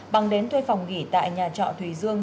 bằng đến thuê phòng nghỉ tại nhà trọ thùy dương